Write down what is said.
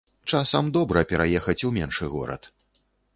Часам добра пераехаць у меншы горад.